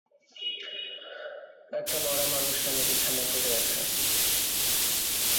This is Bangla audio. একটা মরা মানুষ যেন বিছানায় পড়ে আছে।